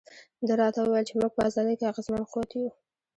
ده راته وویل چې موږ په ازادۍ کې اغېزمن قوت یو.